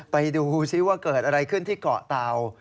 ไปดูซิว่าเกิดอะไรขึ้นที่เกาะเตา